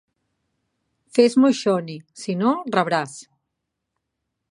Fes moixoni; si no, rebràs!